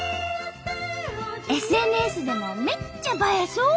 ＳＮＳでもめっちゃ映えそう！